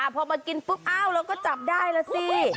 พอมากินปุ๊บอ้าวเราก็จับได้ล่ะสิ